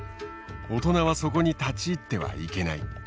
大人はそこに立ち入ってはいけない。